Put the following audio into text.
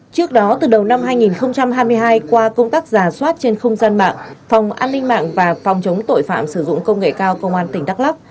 trước đó từ đầu năm hai nghìn hai mươi hai qua công tác giả soát trên không gian mạng phòng an ninh mạng và phòng chống tội phạm sử dụng công nghệ cao công an tỉnh đắk lắc